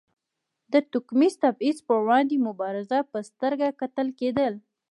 د توکمیز تبیض پر وړاندې مبارز په سترګه کتل کېدل.